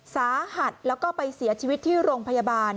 สาหัสแล้วก็ไปเสียชีวิตที่โรงพยาบาล